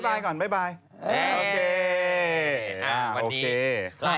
บอกมือซิบ๊ายบาย